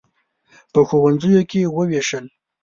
په ښوونځیو کې ووېشل.